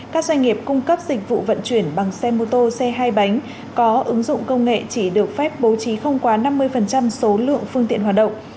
các doanh nghiệp cung cấp dịch vụ vận chuyển bằng xe mô tô xe hai bánh có ứng dụng công nghệ chỉ được phép bố trí không quá năm mươi số lượng phương tiện hoạt động